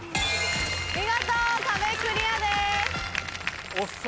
見事壁クリアです。